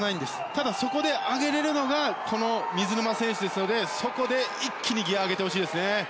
ただ、そこで上げれるのがこの水沼選手ですのでそこで一気にギアを上げてほしいですね。